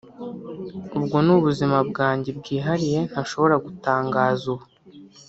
Ubwo ni ubuzima bwanjye bwihariye ntashobora gutangaza ubu